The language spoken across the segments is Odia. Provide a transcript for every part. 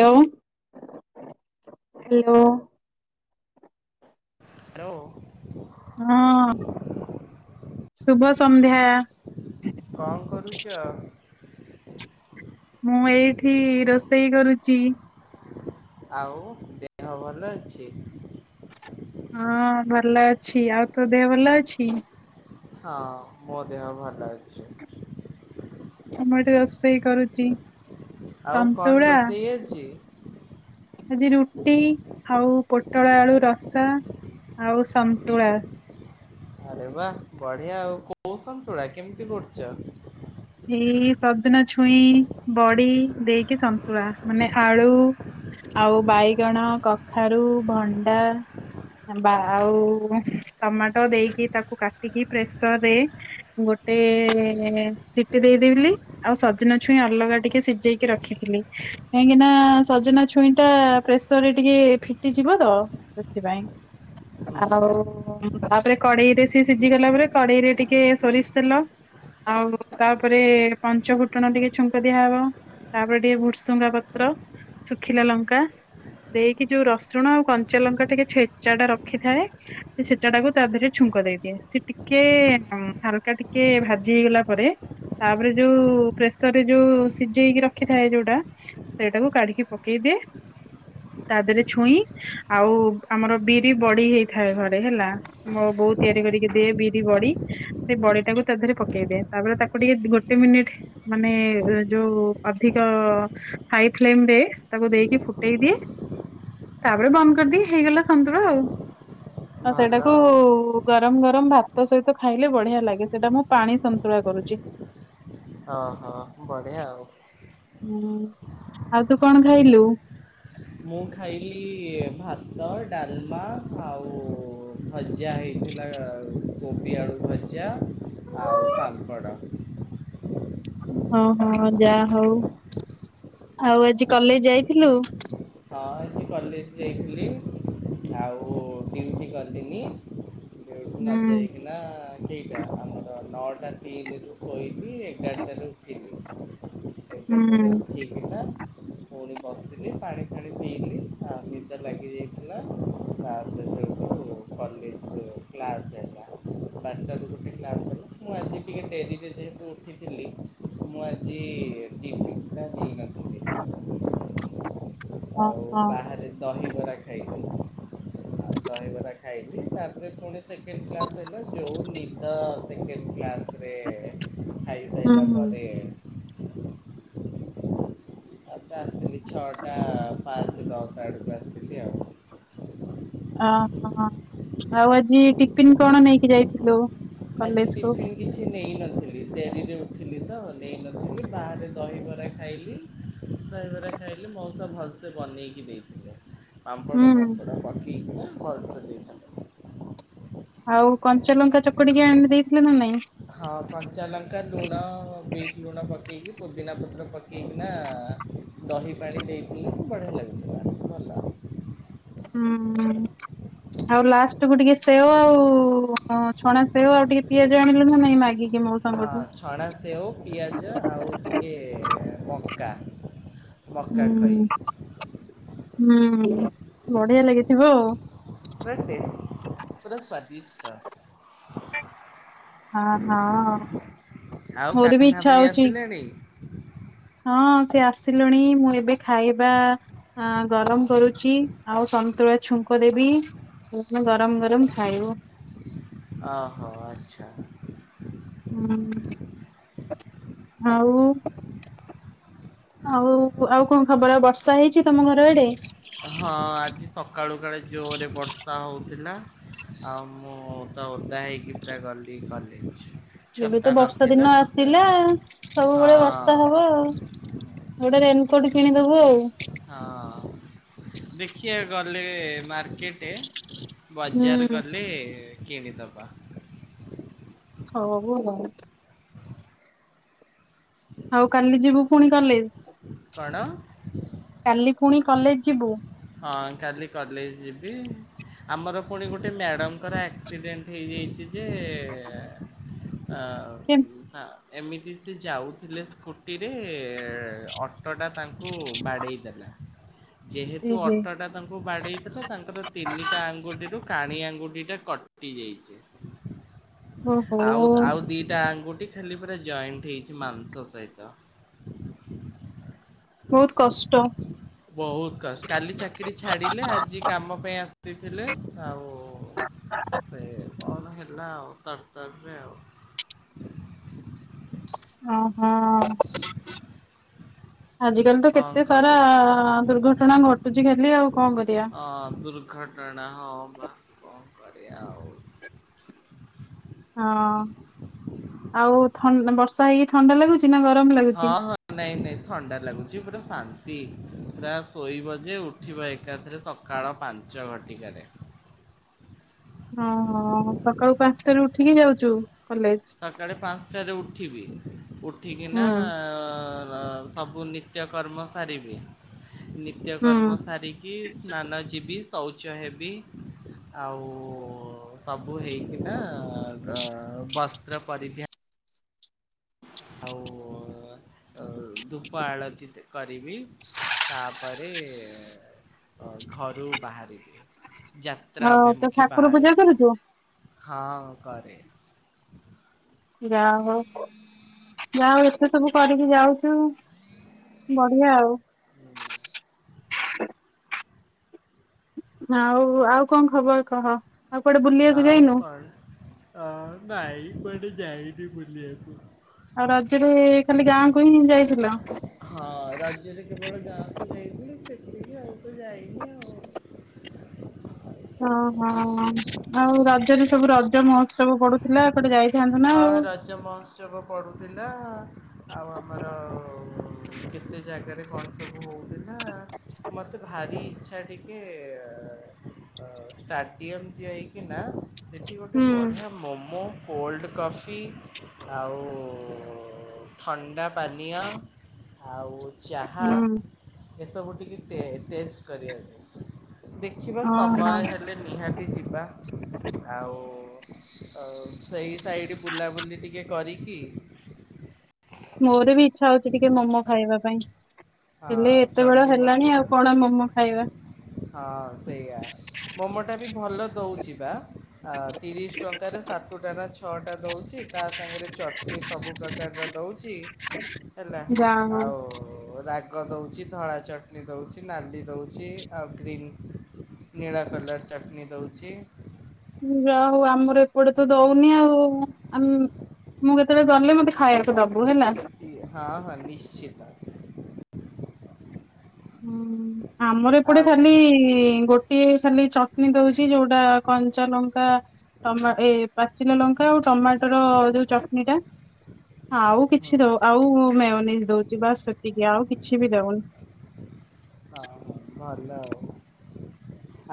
ଲୋ ହାଲୋ ହ୍ୟାଲୋ। ହଁ ଶୁଭ ସନ୍ଧ୍ୟା। କଁ କରୁଚ? ମୁଁ ଏଇଠି ରୋଷେଇ କରୁଚି। ଆଉ ଦେହ ଭଲ ଅଛି? ହଁ ଭଲ ଅଛି ଆଉ ତୋ ଦେହ ଭଲ ଅଛି? ହଁ ମୋ ଦେହ ଭଲ ଅଛି। ମୁଁ ଏଠି ରୋଷେଇ କରୁଚି ସନ୍ତୁଳାା କେଜିି [inaudible] ଆଜି ରୁଟି ଆଉ ପୋଟଳ ଆଳୁ ରସା ଆଉ ସନ୍ତୁଳା। ଆରେ ବା ବଢିଆ ଆଉ କୋଉ ସନ୍ତୁଳା କେମିତି କରୁଚ? ଏଇ ସଜନା ଛୁଇଁ ବଡି ଦେଇକି ସନ୍ତୁଳା ମାନେ ଆଳୁ ଆଉ ବାଇଗଣ କଖାରୁ ଭଣ୍ଡା ବା ଆଉ ଟମାଟ ଦେଇକି ତାକୁ କାଟିକି ପ୍ରେସର୍ ରେ ଗୋଟେ ସି ଟି ଦେଇଦେଲି ଆଉ ସଜନା ଛୁଇଁ ଅଲଗା ଟିକେ ସିଜେଇକି ରଖିଥିଲି କାହିଁକିନା ସଜନା ଛୁଇଁ ଟା ପ୍ରେସର୍ ରେ ଟିକେ ଫିଟିଯିବ ତ ସେଥିପାଇଁ ହୁଁ ଆଉ ଓ ତାପରେ କଡେଇରେ ସିଏ ସିଝି ଗଲା ପରେ କଡେଇ ରେ ଟିକେ ସୋରିଷ ତେଲ ଆଉ ତାପରେ ପଞ୍ଚ ଫୁଟଣ ଟିକେ ଛୁଙ୍କ ଦିଆହବ ତାପରେ ଟିକେ ଭୂର୍ସୁଙ୍ଗା ପତ୍ର ଶୁଖିଲା ଲଙ୍କା ଦେଇକି ଯୋଉ ରସୁଣ ଆଉ କଞ୍ଚାଲଙ୍କା ଟିକେ ଛେଚା ଟା ରଖିଥାଏ ସେ ଛେଚା ଟାକୁ ତା ଦେହରେ ଛୁଙ୍କ ଦେଇଦିଏ। ସେ ଟିକେ ହାଲକା୍ ଟିକେ ଭାଜି ହେଇଗଲା ପରେ ତାପରେ ଯୋଉ ପ୍ରେସର୍ ରେ ଯୋଉ ସିଜେଇକି ରଖିଥାଏ ଯୋଉଟା ସେଟାକୁ କାଢ଼ିକି ପକେଇଦିଏ ତା ଦେରେ ଛୁଇଁ ଆଉ ଆମର ବିରି ବଡ଼ି ହେଇଥାଏ ଘରେ ହେଲା ମୋ ବୋଉ ତିଆରି କରିକି ଦିଏ ବିରି ବଡ଼ି ସେ ବଡି ଟାକୁ ତା ଦେହରେ ପକେଇଦିଏ ତାପରେ ତା କୁ ଟିକେ ଗୋଟେ ମିନିଟ୍ ମାନେ ଯୋଉ ଅଧିକ ହାଇ ଫ୍ଲେମ୍ ରେ ତାକୁ ଦେଇକି ଫୁଟେଇ ଦିଏ ତାପରେ ବନ୍ଦ କରିଦିଏ ହେଇଗଲା ସନ୍ତୁଳା ଆଉ ଆଉ ଭଲ ସେଇଟାକୁ ଆଉ। ଗରମ ଗରମ ଭାତ ସହିତ ଖାଇଲେ ବଢ଼ିଆ ଲାଗେ ସେଇଟା ମୁଁ ପାଣି ସନ୍ତୁଳା କରୁଚି। ହଁ ହଁ ବଢ଼ିଆ ଆଉ ହୁଁ ଆଉ ତୁ କଣ ଖାଇଲୁ? ମୁଁ ଖାଇଲି ଭାତ ଡାଲମା ଆଉ ଭଜା ହେଇଥିଲା କୋବି ଆଳୁ ଭଜା ଆଉ ପାମ୍ପଡ଼। ହଁ ହଁ ଯାଆ ହଉ ଆଉ ଆଜି କଲେଜ ଯାଇଥିଲୁ। ହଁ ଏଠି କଲେଜ ଯାଇଥିଲି ଆଉ ଡ୍ୟୁଟି ଗଲିିନି। ଡ୍ୟୁଟି ହୁଁ ନଯାଇ କି ନା କେଇଟା ଆମର ନଅଟା ତିନିରୁ ଶୋଇବି ଏଗାରଟାରେ ଉଠିବି। ଏଗାର ହୁଁ ଟାରେ ଉଠିକି ନା ପୁଣି ବସିଲି ପାଣି ପାଣି ପିଇଲି ଆଉ ନିଦ ଲାଗିଯାଇଥିଲା ଆଉ ସେଉ କଲେଜରୁ କ୍ଲାସ ହେଲା ବା ତାର ଗୋଟେ କ୍ଲାସ ହେଲା ମୁଁ ଆଜି ଟିକେ ଡେରିରେ ଯେହେତୁ ଉଠିଥିଲି ମୁଁ ଆଜି ଟିଫିନ୍ ଟା ନେଇନଥିଲି। [inaudible] ହଁ ମୁ ହଁ। ବାହାରେ ଦହିବରା ଖାଇଲି ଆଉ ଦହିବରା ଖାଇଲି ତାପରେ ପୁଣି ସେକେଣ୍ଡ କ୍ଲାସ୍ ହେଲା ଯେଉ ନିଦ ସେକେଣ୍ଡ କ୍ଲାସ୍ ରେ ଖାଇ ହୁଁ। ସାଇଲା ହୁଁ। ପରେ ସେଇ ଛଅଟା ପାଞ୍ଚେ ଦଶଆଡକୁ ଆସିଲି ଆଉ ଅ ହଁ ଆଉ ଆଜି ଟିଫିନ କଣ ନେଇକି ଯାଇଥିଲୁ ଆଜି କଲେଜ କୁ। ଟିଫିନ୍ କିଛି ନେଇନଥିଲି ଟେ ନିଜେ ଉଠିଲି ତ ନେଇନଥିଲି ବାହାରେ ଦହିବରା ଖାଇଲି ଦହିବରା ଖାଇଲି ମଉସା ଭଲସେ ବନେଇକି ଦେଇଥିଲେ। ପାମ୍ପଡ ହୁଁ। ଫାମ୍ପଡ ପଖି କିଣା ଭଲ ସେ ଦେଇଚନ୍ତି। ଆଉ କଞ୍ଚାଲଙ୍କା ଚକଟିକି ଆଣି ଦେଇଥିଲେ ନା ନାଇଁ ହିଁ କଞ୍ଚାଲଙ୍କା ଲୁଣ ବିଟ ଲୁଣ ପକେଇକି ପୁଦିନା ପତ୍ର ପକେଇକିନା ଦହି ପାଣି ଦେଇଥିଲେ ବଢ଼ିଆ ଲାଗୁଥିଲା ଭଲ। ହୁଁ। ଆଉ ଲାଷ୍ଟେକୁୁ ଟିକେ ସେଓ ଆଉ ଛଣା ସେଓ ଆଉ ଟିକେ ପିଆଜ ଆଣିଲୁ ନା ନାଇଁ ମାଗିକି। କି ମୋଉ ସାଙ୍ଗ ଟୁ। ହଁ ଛଣା ସେଉ ପିଆଜ ଆଉ ଟିକେ ମକା ମକା ଖଇ ହୁଁ ହୁଁ ବଢିଆ ଲାଗିଥିବ ଆଉ। ପୁରା ଟେଷ୍ଟି ପୁରା ସ୍ଵାଦିଷ୍ଟ। ହଁ ହଁ। ଆଉ ମୋର ବି କାହ୍ନା ଇଚ୍ଛା ଭାଇ ହଉଛି ଆସିଲେଣି? ହଁ ସେ ଆସିଲଣି ମୁଁ ଏବେ ଖାଇବା ଆ ଗରମ କରୁଛି ଆଉ ସନ୍ତୁଳା ଛୁଙ୍କ ଦେବି। ଗରମ ଗରମ ଖାଇଵୁ। ଓ ହୋ ଆଚ୍ଛା। ହଁ ଆଉ ଆଉ ଆଉ କଣ ଖବର? ବର୍ଷା ହେଇଛି ତମ ଘର ଆଡେ। ହଁ ଆଜି ସ ସକାଳୁ କାଳେ ଜୋରେ ବର୍ଷା ହେଉଥିଲା। ଆଉ ମୁଁ ତ ଓଦା ହେଇକି ପୁରା ଗଲି କଲେଜେ। ଏବେ ତ ବର୍ଷା ଦିନ ଆସିଲା ସବୁବେଳେ ବର୍ଷା ହବ ହଁ ଆଉ। ଗୋଟେ ରେନ୍ କୋଟ୍ କିଣିଦବୁ ଆଉ। ହଁ ଦେଖିବା ଗଲେ ମାର୍କେଟେ। ବଜାର ହୁଁ ଗଲେ କିଣିଦବା। [unintelligible] ଆଉ, କାଲି ଯିବୁ ପୁଣି କଲେଜ୍? କଣ? କାଲି ପୁଣି କଲେଜ୍ ଯିବୁ? ହଁ, କାଲି କଲେଜ୍ ଯିବି। ଆମର ପୁଣି ଗୋଟେ ମ୍ୟାଡ଼ମଙ୍କର ଆକ୍ସିଡେଣ୍ଟ ହେଇଯାଇଛି ଯେ ଆଉ କେନ୍ ହଁ ଏମିତି ସେ ଯାଉଥିଲେ ସ୍କୁଟିରେ, ଅଟୋଟା ତାଙ୍କୁ ବାଡ଼େଇ ଦେଲା ଯେହେତୁ ଏହେ ଅଟୋଟା ତାଙ୍କୁ ବାଡ଼େଇଥିଲା। ତାଙ୍କର ତିନିଟା ଆଙ୍ଗୁଠିରୁ କାଣି ଆଙ୍ଗୁଠି ଟା କଟି ଯାଇଛି। ଓହୋ ଆଉ, ଆଉ ଦିଟା ଆଙ୍ଗୁଠି ଖାଲି ପୁରା ଜଏଣ୍ଟ ହେଇଛି ମାଂସ ସହିତ। ବହୁତ କଷ୍ଟ। ବହୁତ କଷ୍ଟ କାଲି ଚାକିର ଛାଡ଼ିଲେ, ଆଜି କାମ ପାଇଁ ଆସିଥିଲେ। ଆଉ ସେ କଣ ହେଲା ଆଉ, ତରତରରେ ଆଉ। ଓ, ହଁ। ଆଜିକାଲି ତ କଣ କେତେ ସାରା କରିବା ଦୁର୍ଘଟଣା ଘଟୁଛି ଖାଲି ଆଉ କଣ କରିବା? ହଁ, ଦୁର୍ଘ ଟଣା ହଁ ବା, କଣ କରିବା ଆଉ। ହଁ, ଆଉ ଥନ୍ ନା ବର୍ଷା ହେଇକି ଥଣ୍ଡା ଲାଗୁଛି ନା ଗରମ ଲାଗୁଚି। ହଁ ହଁ ନାଇଁ ନାଇଁ ଥଣ୍ଡା ଲାଗୁଛି। ପୁରା ଶାନ୍ତି ପୁରା ଶୋଇବ ଯେ ଉଠିବ ଏକାଥରେ ସ କାଳ ପାଞ୍ଚ ଘଟିକାରେ। ହଁ, ହଁ ସ କାଳୁ ପାନ୍ସଟାରୁ ଉଠିକି ଯାଉଚୁ କଲେଜ୍? ସକାଳେ ପାନ୍ସଟାରେ ଉଠିବି, ଉଠିକିନା ହୁଁ ଅ, ବା ସବୁ ବୁ ନିତ୍ୟ କର୍ମ ସାରିବି। ନି ହୁଁ ତ୍ୟକର୍ମ ସାରିକି ସ୍ନାନ ଯିବି, ଶୌଚ ହେବି। ଆଉ ସବୁ ହେଇକିନା ର-ବସ୍ତ୍ର ପରିଦ୍ଧ୍ୟା ଆଉ ଅ, ଆଉ ଧୂପ ଆଳତି କରିବି। ହ [unintelligible] ତାପରେ ଅ, ଘରୁ ବାହାରିବି। ଯାତ୍ରା ଆଉ ତ ଅଭିମୁଖେ ଠାକୁର ପୂଜା ବାହାରିବେ। କରୁଛୁ ହଁ କରେ। ଯା ହଉ। ଯାହା ହୋଉ ଏତେ ସବୁ କରିକି ଯାଉଛୁ। ବଢ଼ିଆ ଆଉ। ଆଉ ଆଉ କଣ ଖବର କହ? ଆଉ କୁଆଡ଼େ ବୁଲିବାକୁ ଯାଇନୁ? କଣ? ଅ, ନାଇଁ କୁଆଡ଼େ ଯାଇନି ବୁଲିବାକୁ। ଆଉ ରଜରେ ଖାଲି ଗାଁକୁ ହିଁ ଯାଇଥିଲ? ହଁ ରଜରେ କେବଳ ଗାଁକୁ ଯାଇଥିଲି, ସେତିକି ଆଉ ତ ଯା ହଁ, ହଁ ଆଉ ରଜରେ ସବୁ ରଜ ମହୋତ୍ସବ ପଡୁ ଥିଲା ଏପଟେ ଯାଇଥାନ୍ତ ନା ହଁ ଆଉ? ରଜ ମହୋତ୍ସବ ପଡ଼ୁଥିଲା ଆଉ ଆମର। କେତେ ଜାଗାରେ କଣ ସବୁ ହଉଥିଲା ମୋତେ ଭାରି ଇଚ୍ଛା ଟିକେ ଷ୍ଟାଡିୟମ୍ ଯାଇକିନା ସେଠି ଗୋଟେ ବଢ଼ିଆ ହୁଁ ମୋମୋ କୋଲ୍ଡ କଫି ଆଉ ଥଣ୍ଡା ପାନୀୟ। ଆଉ ଚାହା ଏସବୁ ଟିକେ ଟେଷ୍ଟ କରିବା କରିବାର ଥିଲା। ଅଛିବା ଓହୋ ସମୟ ହେଲେ ନିହାତି ଯିବା ଆଉ। ସେଇ ସାଇଡ୍ ବୁଲାବୁଲି ଟିକେ କରିକି। ମୋର ବି ଇଚ୍ଛା ହଉଛି ଟିକେ ମୋମୋ ଖାଇବା ପାଇଁ। ହେଲେ ହଁ ଏତେ ବେଳ ଚଣ୍ଡୀ ହେଲାଣି ମନ୍ଦିର ଆଉ କଣ ମମୋ ଖାଇବା? ହଁ ସେଇଆ ମୋମୋଟା ବି ଭଲ ଦେଉଛି ବା। ଆ ତିରିଶ ଟଙ୍କାରେ ସାତଟା ନା ଛଅଟା ଦଉଛି ତା ସାଙ୍ଗରେ ଚଟନି ସବୁ ପ୍ରକାରର ଦଉଛି। ହେଲା ଯା ହଉ। ଆଉ। ରାଗ ଦଉଛି ଧଳା ଚଟଣି ଦଉଛି ନାଲି ଦଉଛି ଆଉ ଗ୍ରୀନ୍। ନୀଳ କଲର୍ ଚଟଣି ଦେଉଛି। ଯା ହଉ ଆମର ଏପଟେ ତ ଦଉନି ଆଉ। ମୁଁ କେତେବେଳେ ଗଲେ ମତେ ଖାଇବାକୁ ଦବୁ ହେଲା। ହଁ ହଁ ନିଶ୍ଚିତ। ହୁଁ ଆମର ଏପଟେ ଆଉ ଖାଲି ଗୋଟେ। ଗୋଟିଏ ଖାଲି ଚଟଣି ଦଉଛି ଯୋଉଟା କଞ୍ଚା ଲଙ୍କା। ଟମାଟୋ ପାଚିଲା ଲଙ୍କା ଆଉ ଟମାଟୋର ଯୋଉ ଚଟନି ଟା ଆଉ ହୁଁ କିଛି ଦଉ ଆଉ ମିଅନିଜ ଦଉଛି ବାସ୍ ସେତିକି ଆଉ କିଛି ବି ଦେଉନି। ହଁ ଭଲ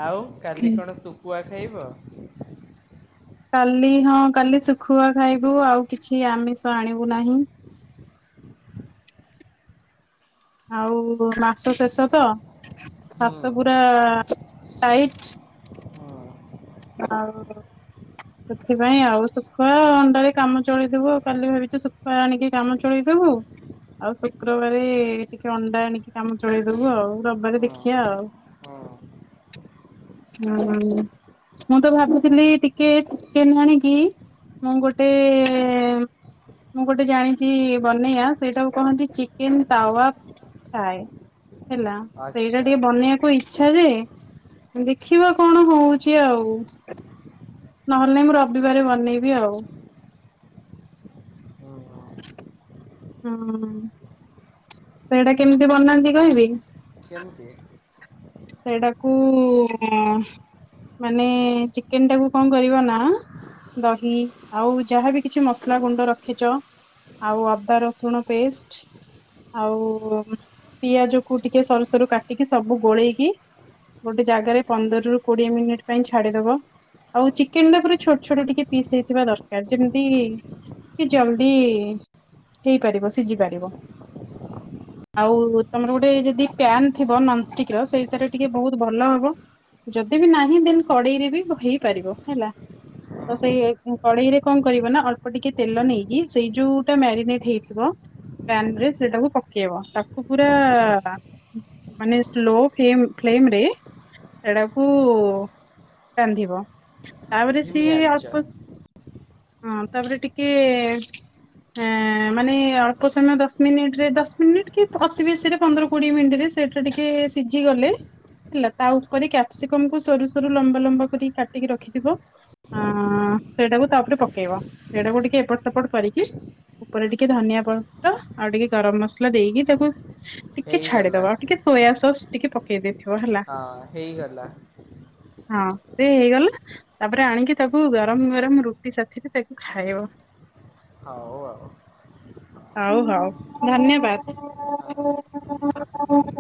ଆଉ କାଲି କଣ ଶୁଖୁଆ ଖାଇବ? କାଲି ହଁ କାଲି ଶୁଖୁଆ ଖାଇବୁ ଆଉ କିଛି ଆମିଷ ଆଣିବୁ ନାହିଁ। ଆଉ ମା ମାସ ଶେଷ ତ ହୁଁ ହାତ ପୁରା ଟାଇଟ୍। ହୁଁ ଆଉ ସେଥିପାଇଁ ଆଉ ଶୁଖୁଆ ଅଣ୍ଡାରେ କାମ ଚଳେଇଦବୁ ଆଉ କାଲି ଭାବିଛୁ ଶୁଖୁଆ ଆଣିକି କାମ ଚଳେଇଦବୁ। ଆଉ ଶୁକ୍ରବାର ଟିକେ ଅଣ୍ଡା ଆଣିକି କାମ ଚଳେଇଦବୁ ଆଉ ରବିବାର ଦେଖିବା ଆଉ। ହଁ। ହଁ ମୁଁ ତ ଭାବୁଥିଲି ଟିକେ ଚିକେନ ଆଣିକି। ମୁଁ ଗୋଟେ ମୁଁ ଗୋଟେ ଜାଣିଛି ବନେଇବା ସେଇଟାକୁ କୁହନ୍ତି ଚିକେନ ତାୱା। ହେଲା ସେଇଟା ଆଚ୍ଛା ଟିକେ ବନେଇବାକୁ ଇଚ୍ଛା ଯେ। ଦେଖିବା କଣ ହଉଛି ଆଉ? ନହେଲେ ମୁଁ ରବିବାରେ ବନେଇବି ଆଉ। ହୁଁ ହୁଁ ହୁଁ ସେଇଟା କେମିତି ବନାନ୍ତି କହିବି? କେମତିି? ସେଇଟାକୁ ମାନେ ଚିକେନ୍ ଟାକୁ କଣ କରିବ ନା? ଦହି ଆଉ ଯାହାବି କିଛି ମସଲା ଗୁଣ୍ଡ ରଖିଛ। ଆଉ ଅଦା ରସୁଣ ପେଷ୍ଟ। ଆଉ ପିଆଜକୁ ଟିକେ ସରୁ ସରୁ କାଟିକି ସବୁ ଗୋଳେଇକି- ଗୋଟେ ଜାଗାରେ ପନ୍ଦରରୁୁ କୋଡିଏ ମିନିଟ୍ ପାଇଁ ଛାଡିଦବ। ଆଉ ଚିକେନ୍ ଟା ପୁରା ଛୋଟ ଛୋଟ ଟିକେ ପିସ୍ ହେଇଥିବା ଦରକାର ଯେମିତି- କି ଜଲଦି ହେଇପାରିବ ସିଝି ପାରିବ। ଆଉ ତମର ଗୋଟେ ଯଦି ପ୍ୟାନ ଥିବ ନନଷ୍ଟିକ ର ସେଇ- ତରେ ଟିକେ ବହୁତ ଭଲ ହବ ଯଦି ବି ନାହିଁ ଦେନ୍ କଡେଇରେ ବି ହେଇପାରିବ ହେଲା। ହୁଁ ତ ସେଇ କଡେଇରେ କଣ କରିବ ନା ଅଳ୍ପ ଟିକେ ତେଲ ନେଇକି ସେଇ ଯୋଉଟା ମ୍ୟାରିନେଟ ହେଇଥିବ- ପ୍ୟାନ ରେ ସେଟାକୁ ପକେଇବ ତାକୁ ପୁରା ବା ମାନେ ସ୍ଲୋ- ଫେମ ଫେଲ୍ମ ରେ ସେଡାକୁ ରାନ୍ଧିବ। ହଁ ତାପରେ ଧିମି ସିଏ ଆଞ୍ଚ ଅଳ୍ପସ୍ ହଁ ତାପରେ ଟିକେ ହଁ ମାନେ ଅଳ୍ପ ସମୟ ଦଶ ମିନିଟରେ ଦଶ ମିନିଟ କି ଅତିିବେଶୀରେ ପନ୍ଦର କୋଡିଏ ମିନିଟ ରେ ସେ ସେ ଟିକେ ସିଝି ଗଲେ ହେଲା ତା ଉପରେ କ୍ୟାପସିକମ କୁ ସରୁ ସରୁ ଲମ୍ବା ଲମ୍ବା କରି କାଟିକି ରଖିଥିବ ଅ ସେଇଟାକୁ ତାପରେ ପକେଇବ ସେଇଟାକୁ ଟିକେ ଏପଟ ସେପଟ କରିକି ଉପରେ ଟିକେ ଧନିଆ ପତ୍ର ଆଉ ଟିକେ ଗରମ ମସଲା ଦେଇକି ତାକୁ- ଟିକେ ହେଇଗଲା ଛାଡିଦବା ଆଉ ଟିକେ ସୋୟା ସସ୍ ଟିକେ ପକେଇଦେ- ହଁ ହେଇଗଲା। ହଁ ସେ ହେଇଗଲା। ତାପରେ ଆଣିକି ତାକୁ ଗରମ ଗରମ ରୁଟି ସାଥିରେ ତାକୁ ଖାଇବ। ହଉ ଆଉ। ହଉ ହଉ ହଁ। ଧନ୍ୟବାଦ।